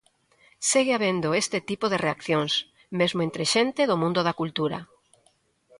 Segue habendo este tipo de reaccións, mesmo entre xente do mundo da cultura.